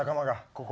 ここ。